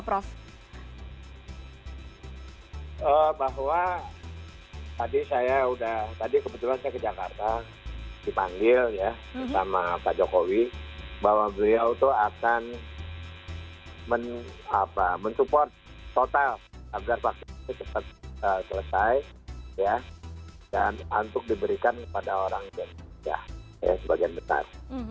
prof tadi kebetulan saya ke jakarta dipanggil sama pak jokowi bahwa beliau akan men support total agar vaksin ini cepat selesai dan untuk diberikan kepada orang yang sebagian besar